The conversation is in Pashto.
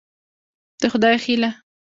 د خدای هيله